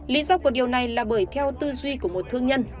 lý do của điều này là bởi theo tư duy của một thương nhân